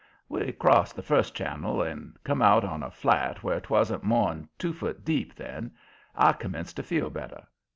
We crossed the first channel and come out on a flat where 'twasn't more'n two foot deep then. I commenced to feel better.